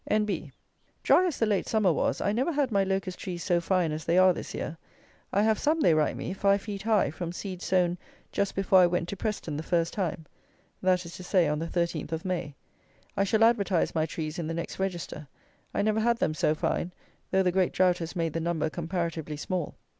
N.B. Dry as the late summer was, I never had my Locust trees so fine as they are this year. I have some, they write me, five feet high, from seed sown just before I went to Preston the first time, that is to say, on the 13th of May. I shall advertise my trees in the next Register. I never had them so fine, though the great drought has made the number comparatively small.